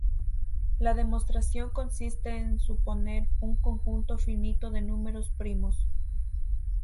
La demostración consiste en suponer un conjunto finito de números primos.